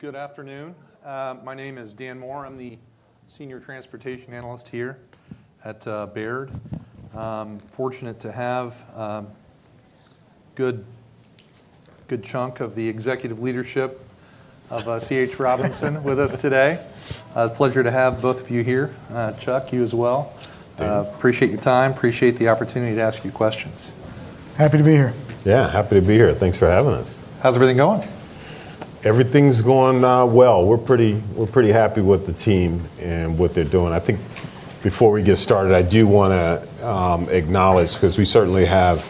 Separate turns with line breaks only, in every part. Good afternoon. My name is Dan Moore. I'm the Senior Transportation Analyst here at Baird. Fortunate to have a good chunk of the executive leadership of C. H. Robinson with us today. It's a pleasure to have both of you here. Chuck, you as well. Appreciate your time. Appreciate the opportunity to ask you questions.
Happy to be here.
Yeah, happy to be here. Thanks for having us.
How's everything going?
Everything's going well. We're pretty happy with the team and what they're doing. I think before we get started, I do want to acknowledge, because we certainly have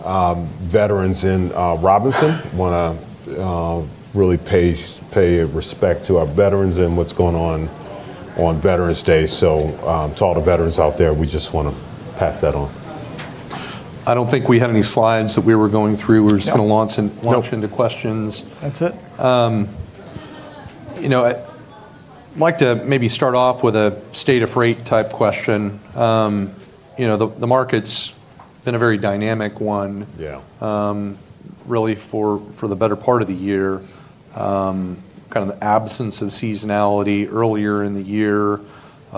veterans in Robinson, want to really pay respect to our veterans and what's going on on Veterans Day. To all the veterans out there, we just want to pass that on.
I don't think we had any slides that we were going through. We were just going to launch into questions.
That's it.
You know, I'd like to maybe start off with a state of right type question. You know, the market's been a very dynamic one
Yeah
really, for the better part of the year. Kind of the absence of seasonality earlier in the year,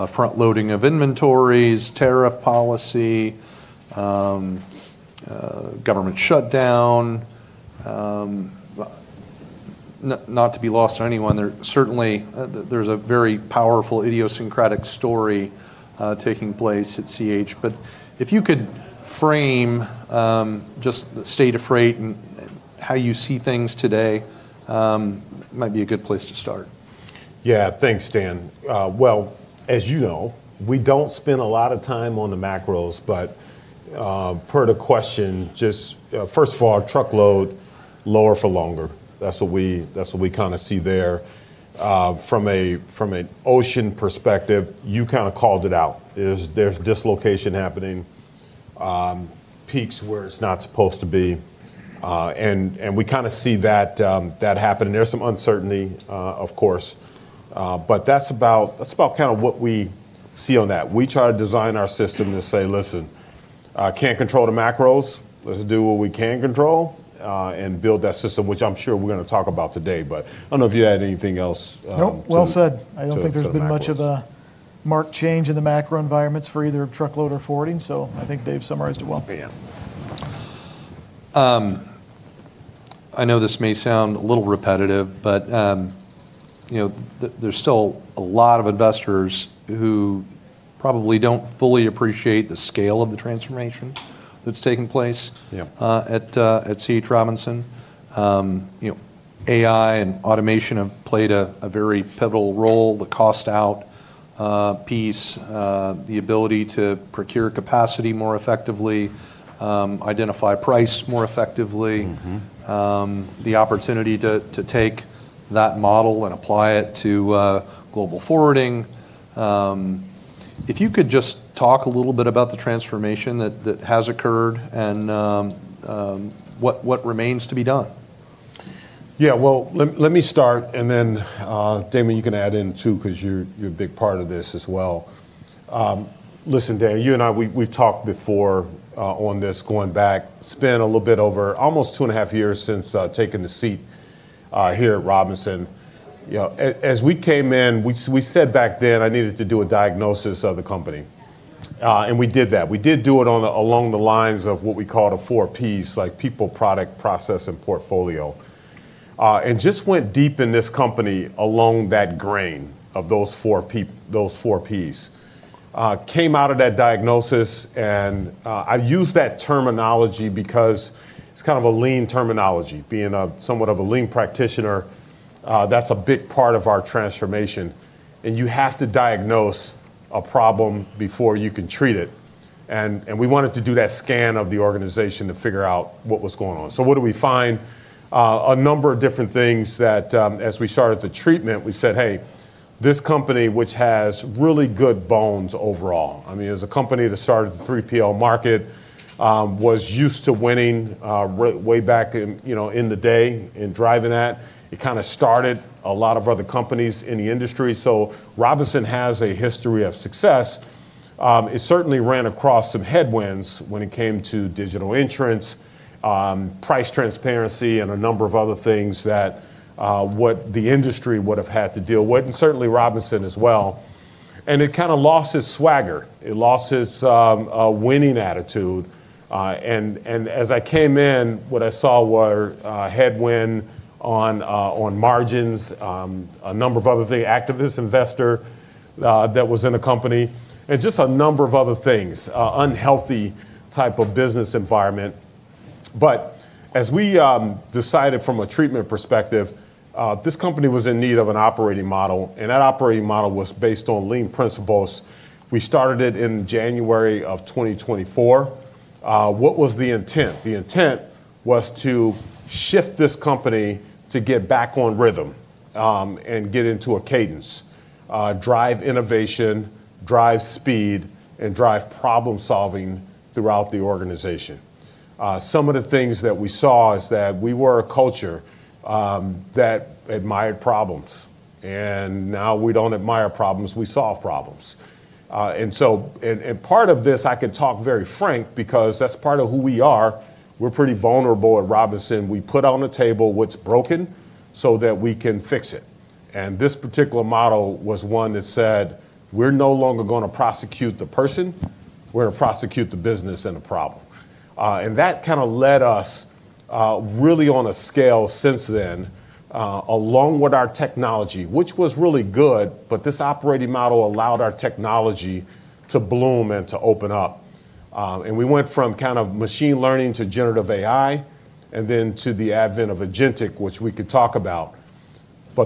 front loading of inventories, tariff policy, government shutdown. Not to be lost on anyone, there certainly there's a very powerful idiosyncratic story taking place at C. H. Robinson. If you could frame just the state of right and how you see things today, it might be a good place to start.
Yeah, thanks, Dan. As you know, we do not spend a lot of time on the macros, but per the question, just first of all, truckload lower for longer. That is what we kind of see there. From an ocean perspective, you kind of called it out. There is dislocation happening, peaks where it is not supposed to be. We kind of see that happen. There is some uncertainty, of course. That is about kind of what we see on that. We try to design our system to say, listen, cannot control the macros, let us do what we can control and build that system, which I am sure we are going to talk about today. I do not know if you had anything else.
Nope, well said. I do not think there has been much of a marked change in the macro environments for either truckload or forwarding. I think Dave summarized it well.
I know this may sound a little repetitive, but there's still a lot of investors who probably don't fully appreciate the scale of the transformation that's taking place at C. H. Robinson. AI and automation have played a very pivotal role, the cost out piece, the ability to procure capacity more effectively, identify price more effectively, the opportunity to take that model and apply it to global forwarding. If you could just talk a little bit about the transformation that has occurred and what remains to be done.
Yeah, let me start, and then Damon, you can add in too, because you're a big part of this as well. Listen, Dan, you and I, we've talked before on this going back, spent a little bit over almost two and a half years since taking the seat here at Robinson. As we came in, we said back then, I needed to do a diagnosis of the company. And we did that. We did do it along the lines of what we call the four P's, like people, product, process, and portfolio. Just went deep in this company along that grain of those four P's. Came out of that diagnosis, and I use that terminology because it's kind of a lean terminology. Being somewhat of a lean practitioner, that's a big part of our transformation. You have to diagnose a problem before you can treat it. We wanted to do that scan of the organization to figure out what was going on. What did we find? A number of different things that as we started the treatment, we said, hey, this company, which has really good bones overall, I mean, as a company that started the 3PL market, was used to winning way back in the day in driving that. It kind of started a lot of other companies in the industry. Robinson has a history of success. It certainly ran across some headwinds when it came to digital insurance, price transparency, and a number of other things that what the industry would have had to deal with, and certainly Robinson as well. It kind of lost its swagger. It lost its winning attitude. As I came in, what I saw were headwinds on margins, a number of other things, activist investor that was in the company, and just a number of other things, unhealthy type of business environment. As we decided from a treatment perspective, this company was in need of an operating model. That operating model was based on lean principles. We started it in January of 2024. What was the intent? The intent was to shift this company to get back on rhythm and get into a cadence, drive innovation, drive speed, and drive problem solving throughout the organization. Some of the things that we saw is that we were a culture that admired problems. Now we do not admire problems. We solve problems. Part of this, I could talk very frank because that is part of who we are. We are pretty vulnerable at Robinson. We put on the table what's broken so that we can fix it. This particular model was one that said, we're no longer going to prosecute the person. We're going to prosecute the business and the problem. That kind of led us really on a scale since then, along with our technology, which was really good, but this operating model allowed our technology to bloom and to open up. We went from kind of machine learning to generative AI and then to the advent of agentic, which we could talk about.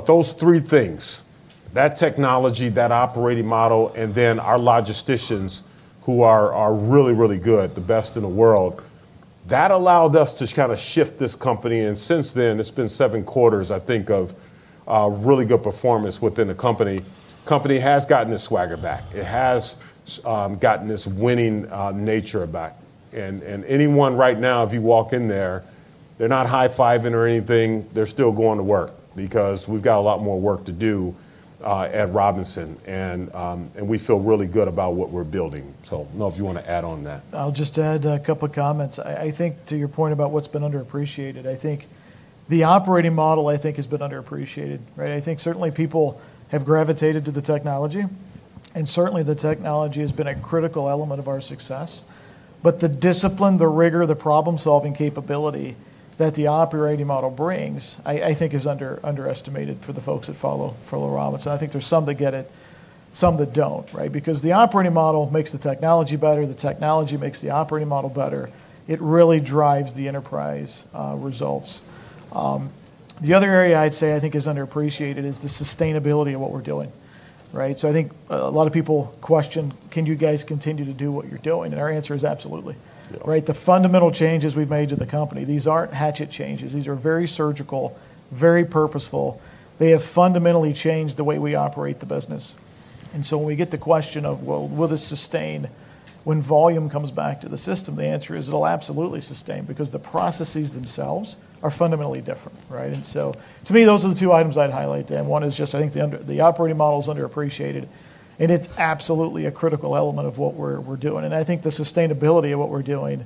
Those three things, that technology, that operating model, and then our logisticians who are really, really good, the best in the world, that allowed us to kind of shift this company. Since then, it's been seven quarters, I think, of really good performance within the company. The company has gotten its swagger back. It has gotten its winning nature back. Anyone right now, if you walk in there, they're not high-fiving or anything. They're still going to work because we've got a lot more work to do at Robinson. We feel really good about what we're building. I don't know if you want to add on that.
I'll just add a couple of comments. I think to your point about what's been underappreciated, I think the operating model has been underappreciated. I think certainly people have gravitated to the technology. And certainly the technology has been a critical element of our success. But the discipline, the rigor, the problem-solving capability that the operating model brings, I think, is underestimated for the folks that follow Robinson. I think there's some that get it, some that don't. Because the operating model makes the technology better. The technology makes the operating model better. It really drives the enterprise results. The other area I'd say, I think, is underappreciated is the sustainability of what we're doing. I think a lot of people question, can you guys continue to do what you're doing? Our answer is absolutely. The fundamental changes we've made to the company, these aren't hatchet changes. These are very surgical, very purposeful. They have fundamentally changed the way we operate the business. When we get the question of, well, will this sustain when volume comes back to the system, the answer is it'll absolutely sustain because the processes themselves are fundamentally different. To me, those are the two items I'd highlight, Dan. One is just, I think the operating model is underappreciated. It's absolutely a critical element of what we're doing. I think the sustainability of what we're doing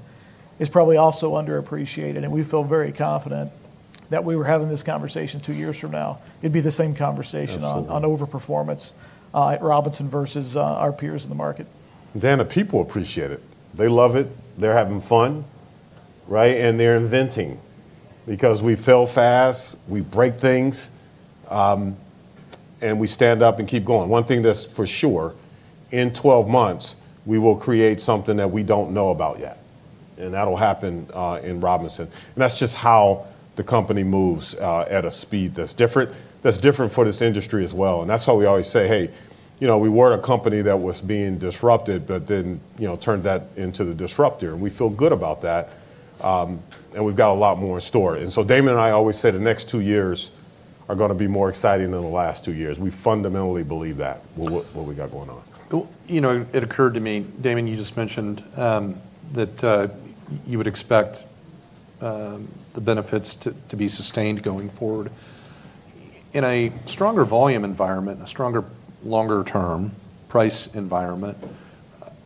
is probably also underappreciated. We feel very confident that if we were having this conversation two years from now, it'd be the same conversation on overperformance at Robinson versus our peers in the market.
Dan, the people appreciate it. They love it. They're having fun. And they're inventing because we fail fast, we break things, and we stand up and keep going. One thing that's for sure, in 12 months, we will create something that we don't know about yet. And that'll happen in Robinson. And that's just how the company moves at a speed that's different for this industry as well. And that's why we always say, hey, we were a company that was being disrupted, but then turned that into the disruptor. And we feel good about that. And we've got a lot more in store. And so Damon and I always say the next two years are going to be more exciting than the last two years. We fundamentally believe that, what we got going on.
You know, it occurred to me, Damon, you just mentioned that you would expect the benefits to be sustained going forward. In a stronger volume environment, a stronger longer-term price environment,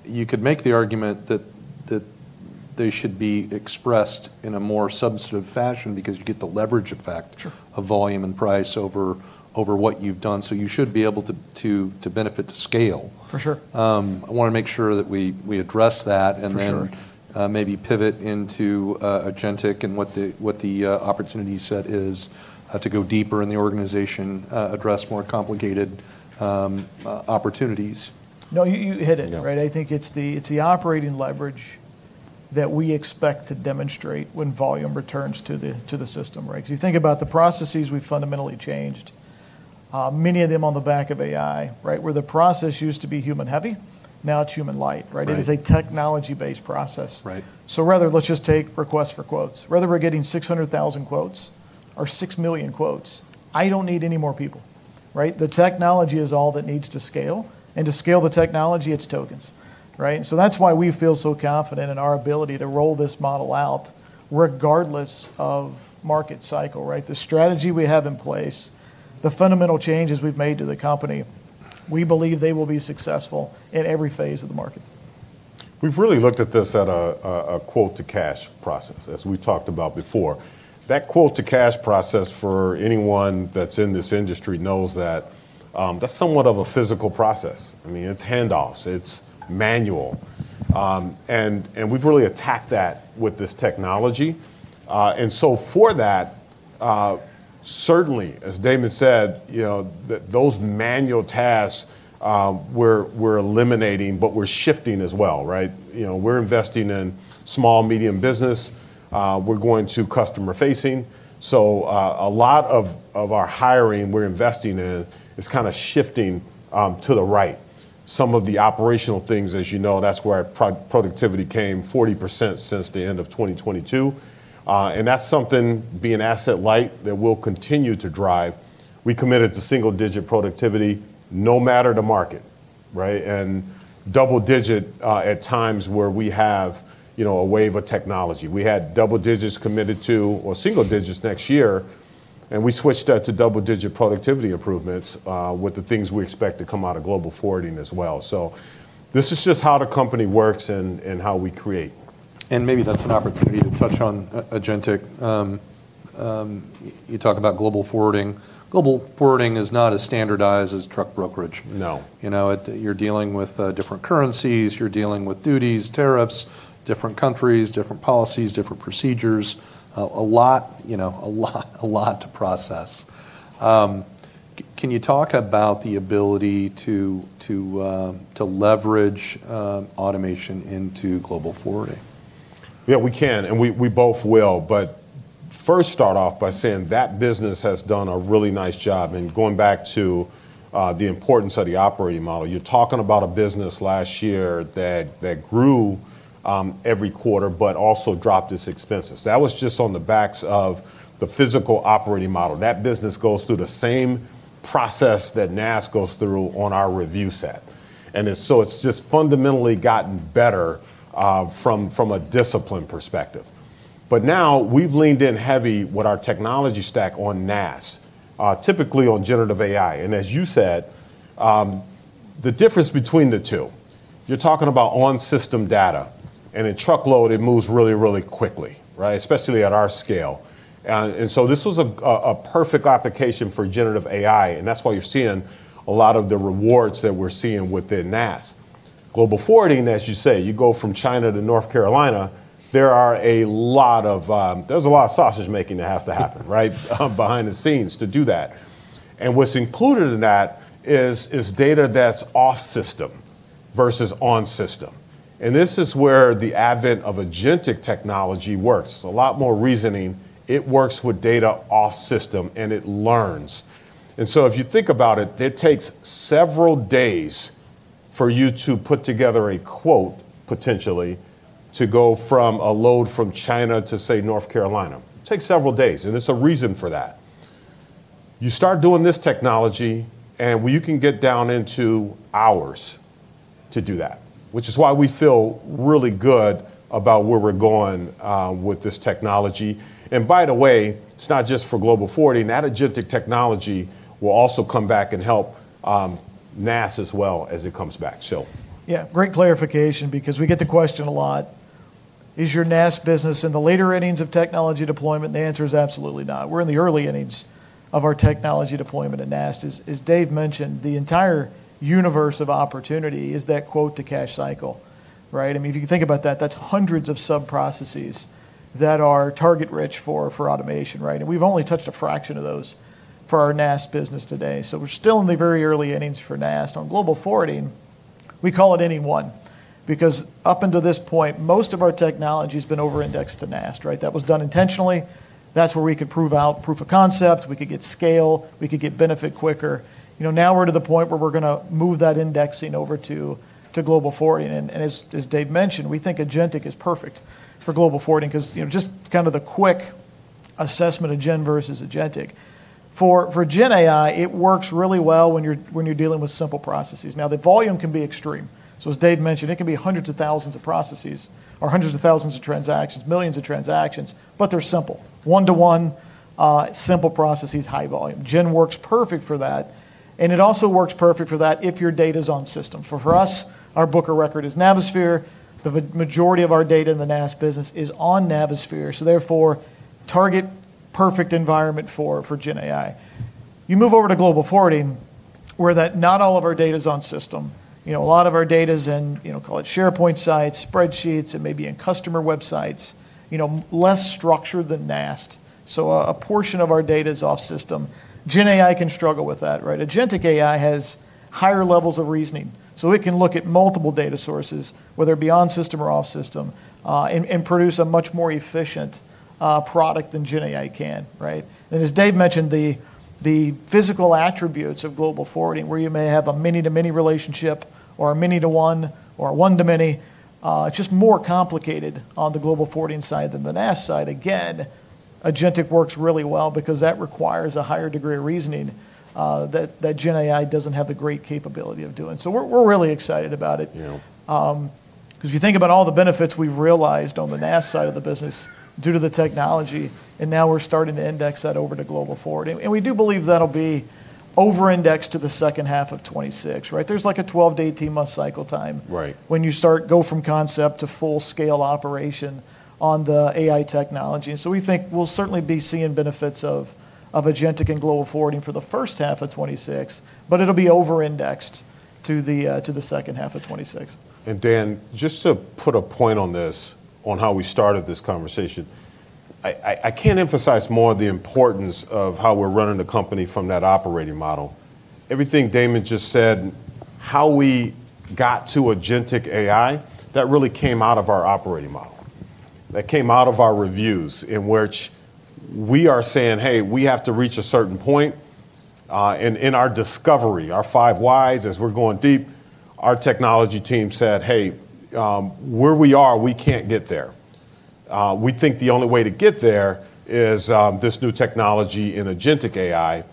you could make the argument that they should be expressed in a more substantive fashion because you get the leverage effect of volume and price over what you've done. You should be able to benefit to scale. I want to make sure that we address that and then maybe pivot into agentic and what the opportunity set is to go deeper in the organization, address more complicated opportunities.
No, you hit it. I think it's the operating leverage that we expect to demonstrate when volume returns to the system. If you think about the processes, we've fundamentally changed, many of them on the back of AI. Where the process used to be human-heavy, now it's human-light. It is a technology-based process. Rather, let's just take requests for quotes. Rather we're getting 600,000 quotes or 6 million quotes, I don't need any more people. The technology is all that needs to scale. To scale the technology, it's tokens. That is why we feel so confident in our ability to roll this model out regardless of market cycle. The strategy we have in place, the fundamental changes we've made to the company, we believe they will be successful in every phase of the market.
We've really looked at this at a quote-to-cash process, as we talked about before. That quote-to-cash process, for anyone that's in this industry, knows that that's somewhat of a physical process. I mean, it's handoffs. It's manual. We've really attacked that with this technology. For that, certainly, as Damon said, those manual tasks, we're eliminating, but we're shifting as well. We're investing in small, medium business. We're going to customer-facing. A lot of our hiring we're investing in is kind of shifting to the right. Some of the operational things, as you know, that's where productivity came 40% since the end of 2022. That's something, being asset-light, that will continue to drive. We committed to single-digit productivity no matter the market, and double-digit at times where we have a wave of technology. We had double digits committed to or single digits next year. We switched that to double-digit productivity improvements with the things we expect to come out of global forwarding as well. This is just how the company works and how we create.
Maybe that's an opportunity to touch on agentic. You talk about global forwarding. Global forwarding is not as standardized as truck brokerage. You're dealing with different currencies. You're dealing with duties, tariffs, different countries, different policies, different procedures. A lot to process. Can you talk about the ability to leverage automation into global forwarding?
Yeah, we can. We both will. First, start off by saying that business has done a really nice job. Going back to the importance of the operating model, you're talking about a business last year that grew every quarter, but also dropped its expenses. That was just on the backs of the physical operating model. That business goes through the same process that NAST goes through on our review set. It has just fundamentally gotten better from a discipline perspective. Now we've leaned in heavy with our technology stack on NAST, typically on generative AI. As you said, the difference between the two, you're talking about on-system data. In truckload, it moves really, really quickly, especially at our scale. This was a perfect application for generative AI. That is why you're seeing a lot of the rewards that we're seeing within NAST. Global forwarding, as you say, you go from China to North Carolina, there is a lot of sausage making that has to happen behind the scenes to do that. What's included in that is data that's off-system versus on-system. This is where the advent of agentic technology works. A lot more reasoning. It works with data off-system, and it learns. If you think about it, it takes several days for you to put together a quote, potentially, to go from a load from China to, say, North Carolina. It takes several days. There is a reason for that. You start doing this technology, and you can get down into hours to do that, which is why we feel really good about where we're going with this technology. By the way, it's not just for global forwarding. That agentic technology will also come back and help NAST as well as it comes back.
Yeah, great clarification because we get the question a lot. Is your NAST business in the later innings of technology deployment? The answer is absolutely not. We're in the early innings of our technology deployment at NAST. As Dave mentioned, the entire universe of opportunity is that quote-to-cash cycle. I mean, if you think about that, that's hundreds of sub-processes that are target-rich for automation. And we've only touched a fraction of those for our NAST business today. So we're still in the very early innings for NAST. On global forwarding, we call it inning one because up until this point, most of our technology has been over-indexed to NAST. That was done intentionally. That's where we could prove out proof of concept. We could get scale. We could get benefit quicker. Now we're to the point where we're going to move that indexing over to global forwarding. As Dave mentioned, we think agentic is perfect for global forwarding because just kind of the quick assessment of gen versus agentic. For gen AI, it works really well when you're dealing with simple processes. Now, the volume can be extreme. As Dave mentioned, it can be hundreds of thousands of processes or hundreds of thousands of transactions, millions of transactions, but they're simple. One-to-one, simple processes, high volume. Gen works perfect for that. It also works perfect for that if your data is on-system. For us, our book of record is Navisphere. The majority of our data in the NAST business is on Navisphere. Therefore, target-perfect environment for gen AI. You move over to global forwarding where not all of our data is on-system. A lot of our data is in, call it SharePoint sites, spreadsheets, and maybe in customer websites, less structured than NAST. A portion of our data is off-system. Gen AI can struggle with that. Agentic AI has higher levels of reasoning. It can look at multiple data sources, whether beyond-system or off-system, and produce a much more efficient product than gen AI can. As Dave mentioned, the physical attributes of global forwarding where you may have a many-to-many relationship or a many-to-one or one-to-many, it is just more complicated on the global forwarding side than the NAST side. Again, agentic works really well because that requires a higher degree of reasoning that gen AI does not have the great capability of doing. We are really excited about it. If you think about all the benefits we have realized on the NAST side of the business due to the technology, and now we are starting to index that over to global forwarding. We do believe that'll be over-indexed to the second half of 2026. There's like a 12-18 month cycle time when you start, go from concept to full-scale operation on the AI technology. We think we'll certainly be seeing benefits of agentic and global forwarding for the first half of 2026, but it'll be over-indexed to the second half of 2026.
Dan, just to put a point on this, on how we started this conversation, I can't emphasize more the importance of how we're running the company from that operating model. Everything Damon just said, how we got to agentic AI, that really came out of our operating model. That came out of our reviews in which we are saying, hey, we have to reach a certain point. In our discovery, our five whys, as we're going deep, our technology team said, hey, where we are, we can't get there. We think the only way to get there is this new technology in agentic AI.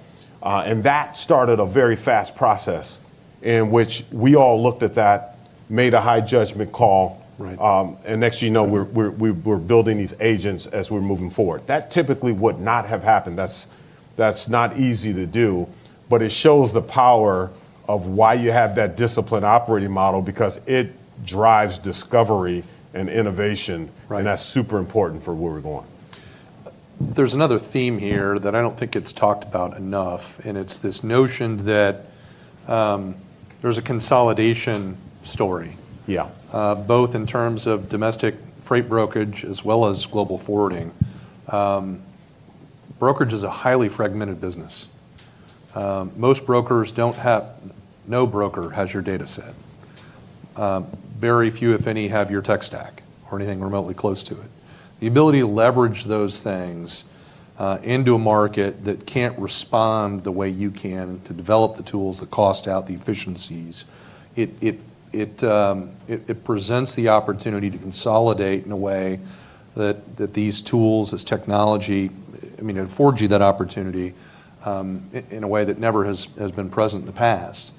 That started a very fast process in which we all looked at that, made a high judgment call. Next thing you know, we're building these agents as we're moving forward. That typically would not have happened. That's not easy to do. It shows the power of why you have that discipline operating model because it drives discovery and innovation. That's super important for where we're going.
There's another theme here that I do not think gets talked about enough. It is this notion that there is a consolidation story, both in terms of domestic freight brokerage as well as global forwarding. Brokerage is a highly fragmented business. Most brokers do not have, no broker has your data set. Very few, if any, have your tech stack or anything remotely close to it. The ability to leverage those things into a market that cannot respond the way you can to develop the tools, the cost out, the efficiencies, it presents the opportunity to consolidate in a way that these tools as technology, I mean, it forged you that opportunity in a way that never has been present in the past.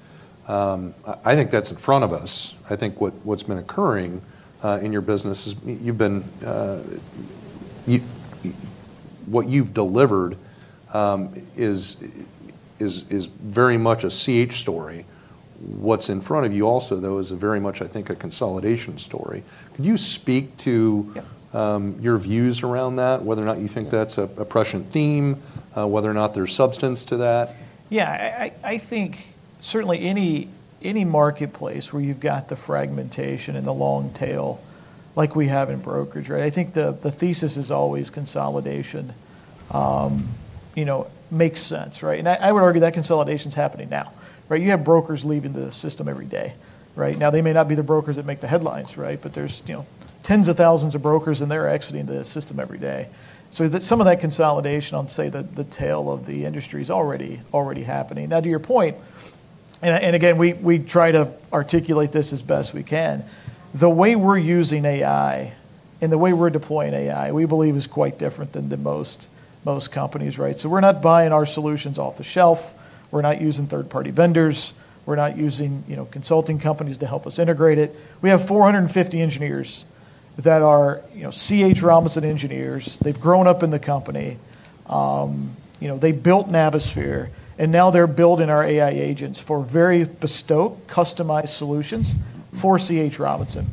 I think that is in front of us. I think what has been occurring in your business is what you have delivered is very much a C. H. story. What's in front of you also, though, is very much, I think, a consolidation story. Could you speak to your views around that, whether or not you think that's a prescient theme, whether or not there's substance to that?
Yeah, I think certainly any marketplace where you've got the fragmentation and the long tail like we have in brokerage, I think the thesis is always consolidation makes sense. I would argue that consolidation is happening now. You have brokers leaving the system every day. They may not be the brokers that make the headlines, but there's tens of thousands of brokers, and they're exiting the system every day. Some of that consolidation on, say, the tail of the industry is already happening. Now, to your point, and again, we try to articulate this as best we can, the way we're using AI and the way we're deploying AI, we believe is quite different than most companies. We're not buying our solutions off the shelf. We're not using third-party vendors. We're not using consulting companies to help us integrate it. We have 450 engineers that are C. H. Robinson engineers. They've grown up in the company. They built Navisphere. Now they're building our AI agents for very bespoke, customized solutions for C. H. Robinson.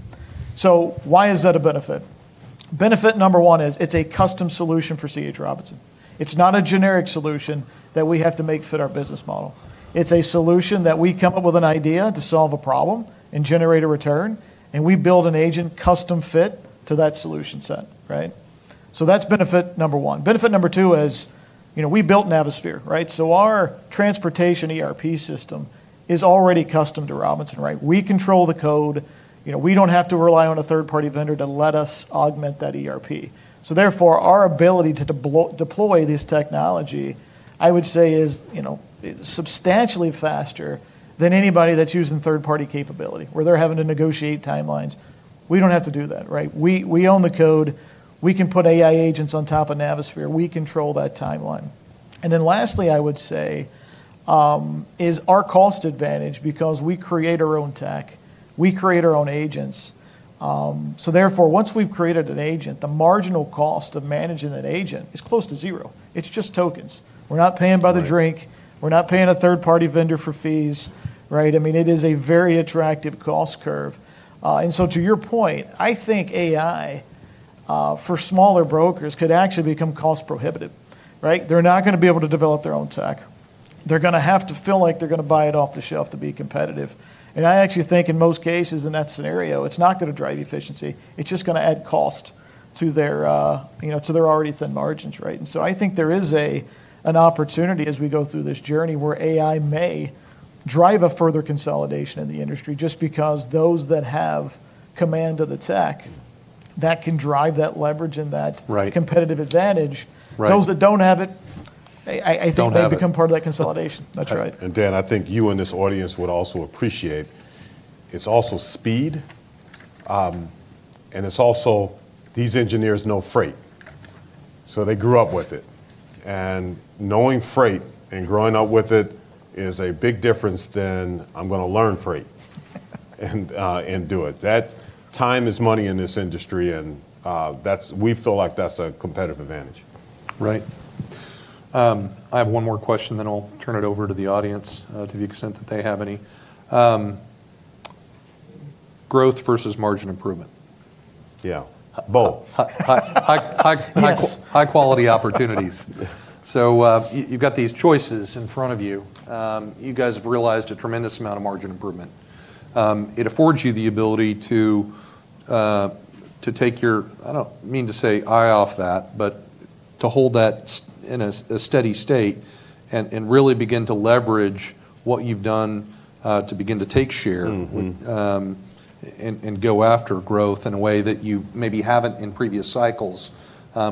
Why is that a benefit? Benefit number one is it's a custom solution for C. H. Robinson. It's not a generic solution that we have to make fit our business model. It's a solution that we come up with an idea to solve a problem and generate a return. We build an agent custom fit to that solution set. That is benefit number one. Benefit number two is we built Navisphere. Our transportation ERP system is already custom to Robinson. We control the code. We do not have to rely on a third-party vendor to let us augment that ERP. Therefore, our ability to deploy this technology, I would say, is substantially faster than anybody that is using third-party capability where they are having to negotiate timelines. We do not have to do that. We own the code. We can put AI agents on top of Navisphere. We control that timeline. Lastly, I would say, is our cost advantage because we create our own tech. We create our own agents. Therefore, once we have created an agent, the marginal cost of managing that agent is close to zero. It is just tokens. We are not paying by the drink. We're not paying a third-party vendor for fees. I mean, it is a very attractive cost curve. To your point, I think AI for smaller brokers could actually become cost prohibitive. They're not going to be able to develop their own tech. They're going to have to feel like they're going to buy it off the shelf to be competitive. I actually think in most cases in that scenario, it's not going to drive efficiency. It's just going to add cost to their already thin margins. I think there is an opportunity as we go through this journey where AI may drive a further consolidation in the industry just because those that have command of the tech that can drive that leverage and that competitive advantage. Those that don't have it, I think they become part of that consolidation. That's right.
Dan, I think you and this audience would also appreciate it's also speed. It's also these engineers know freight. They grew up with it. Knowing freight and growing up with it is a big difference than I'm going to learn freight and do it. Time is money in this industry. We feel like that's a competitive advantage.
Right. I have one more question, then I'll turn it over to the audience to the extent that they have any. Growth versus margin improvement.
Yeah, both.
High quality opportunities. You have these choices in front of you. You guys have realized a tremendous amount of margin improvement. It affords you the ability to take your, I do not mean to say eye off that, but to hold that in a steady state and really begin to leverage what you have done to begin to take share and go after growth in a way that you maybe have not in previous cycles,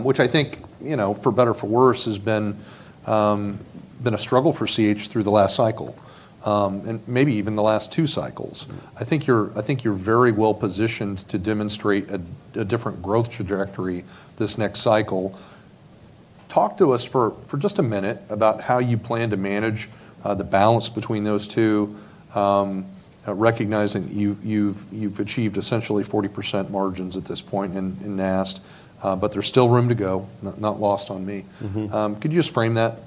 which I think for better or for worse has been a struggle for C. H. through the last cycle and maybe even the last two cycles. I think you are very well positioned to demonstrate a different growth trajectory this next cycle. Talk to us for just a minute about how you plan to manage the balance between those two, recognizing you've achieved essentially 40% margins at this point in NAST, but there's still room to go, not lost on me. Could you just frame that?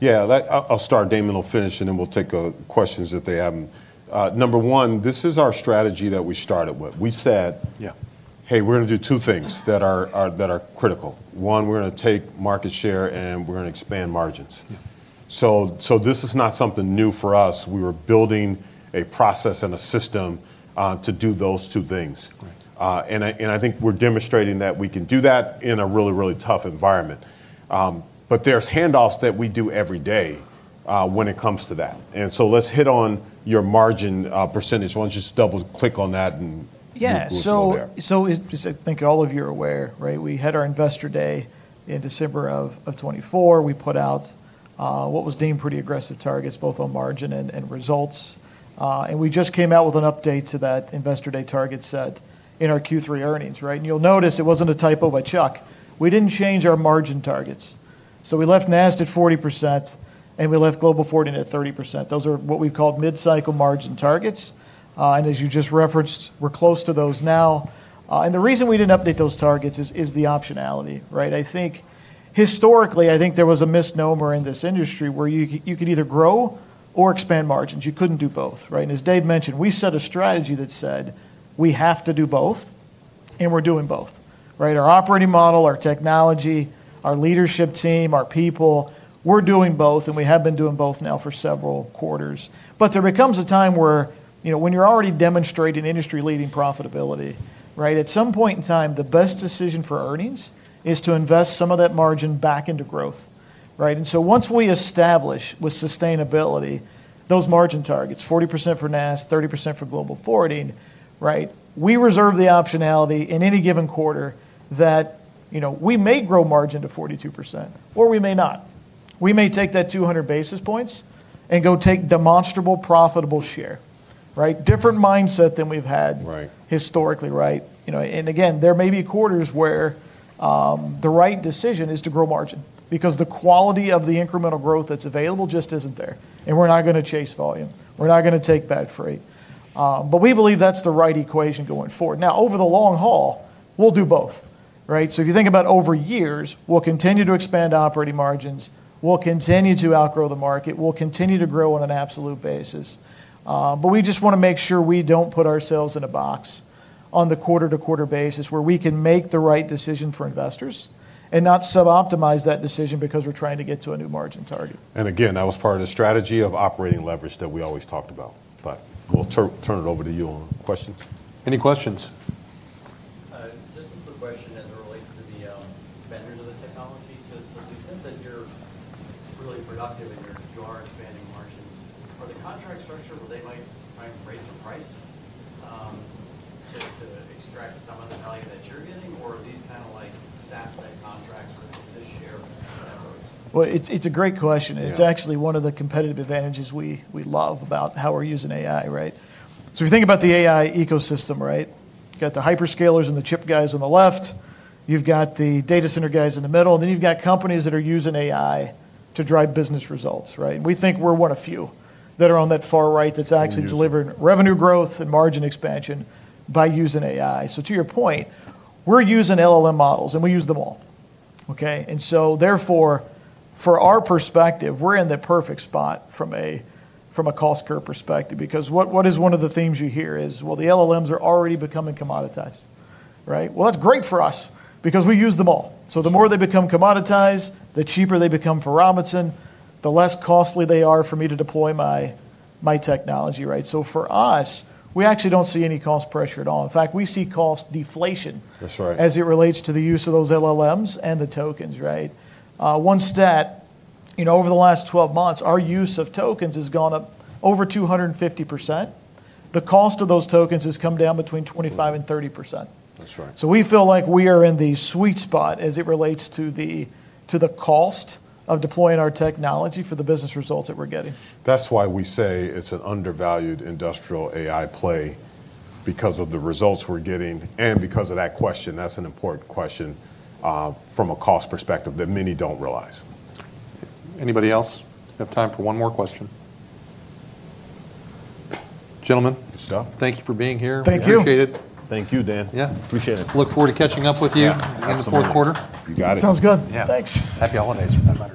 Yeah, I'll start. Damon will finish, and then we'll take questions if they have them. Number one, this is our strategy that we started with. We said, hey, we're going to do two things that are critical. One, we're going to take market share, and we're going to expand margins. This is not something new for us. We were building a process and a system to do those two things. I think we're demonstrating that we can do that in a really, really tough environment. There are handoffs that we do every day when it comes to that. Let's hit on your margin percentage. Why don't you just double-click on that and we'll go there.
Yeah. I think all of you are aware. We had our investor day in December of 2024. We put out what was deemed pretty aggressive targets, both on margin and results. We just came out with an update to that investor day target set in our Q3 earnings. You will notice it was not a typo by Chuck. We did not change our margin targets. We left NAST at 40%, and we left global forwarding at 30%. Those are what we have called mid-cycle margin targets. As you just referenced, we are close to those now. The reason we did not update those targets is the optionality. I think historically, there was a misnomer in this industry where you could either grow or expand margins. You could not do both. As Dave mentioned, we set a strategy that said we have to do both, and we are doing both. Our operating model, our technology, our leadership team, our people, we're doing both, and we have been doing both now for several quarters. There becomes a time where when you're already demonstrating industry-leading profitability, at some point in time, the best decision for earnings is to invest some of that margin back into growth. Once we establish with sustainability those margin targets, 40% for NAST, 30% for global forwarding, we reserve the optionality in any given quarter that we may grow margin to 42%, or we may not. We may take that 200 basis points and go take demonstrable profitable share. Different mindset than we've had historically. There may be quarters where the right decision is to grow margin because the quality of the incremental growth that's available just isn't there. We're not going to chase volume. We're not going to take bad freight. We believe that's the right equation going forward. Now, over the long haul, we'll do both. If you think about over years, we'll continue to expand operating margins. We'll continue to outgrow the market. We'll continue to grow on an absolute basis. We just want to make sure we don't put ourselves in a box on the quarter-to-quarter basis where we can make the right decision for investors and not suboptimize that decision because we're trying to get to a new margin target.
That was part of the strategy of operating leverage that we always talked about. We will turn it over to you on questions.
Any questions? Just a quick question as it relates to the vendors of the technology. To the extent that you're really productive and you are expanding margins, are the contract structure where they might try and raise the price to extract some of the value that you're getting, or are these kind of SaaS-type contracts where they just share?
It is a great question. It is actually one of the competitive advantages we love about how we are using AI. If you think about the AI ecosystem, you have got the hyperscalers and the chip guys on the left. You have got the data center guys in the middle. You have got companies that are using AI to drive business results. We think we are one of few that are on that far right that is actually delivering revenue growth and margin expansion by using AI. To your point, we are using LLM models, and we use them all. Therefore, from our perspective, we are in the perfect spot from a cost curve perspective. One of the themes you hear is, the LLMs are already becoming commoditized. That is great for us because we use them all. The more they become commoditized, the cheaper they become for Robinson, the less costly they are for me to deploy my technology. For us, we actually do not see any cost pressure at all. In fact, we see cost deflation as it relates to the use of those LLMs and the tokens. One stat, over the last 12 months, our use of tokens has gone up over 250%. The cost of those tokens has come down between 25%-30%. We feel like we are in the sweet spot as it relates to the cost of deploying our technology for the business results that we are getting.
That's why we say it's an undervalued industrial AI play because of the results we're getting and because of that question. That's an important question from a cost perspective that many don't realize.
Anybody else have time for one more question? Gentlemen, thank you for being here. Appreciate it.
Thank you. Thank you, Dan.
Yeah, appreciate it. Look forward to catching up with you in the fourth quarter.
You got it.
Sounds good. Thanks.
Happy holidays.